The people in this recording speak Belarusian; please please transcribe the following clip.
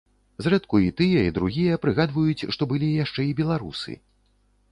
Зрэдку і тыя і другія прыгадваюць, што былі яшчэ і беларусы.